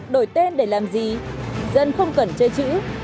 đổi tên để làm gì dân không cần chơi chữ